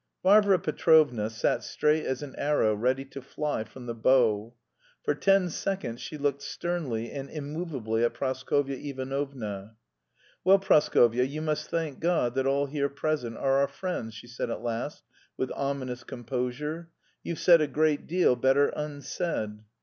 Varvara Petrovna sat straight as an arrow ready to fly from the bow. For ten seconds she looked sternly and immovably at Praskovya Ivanovna. "Well, Praskovya, you must thank God that all here present are our friends," she said at last with ominous composure. "You've said a great deal better unsaid."